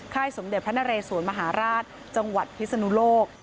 สมเด็จพระนเรสวนมหาราชจังหวัดพิศนุโลก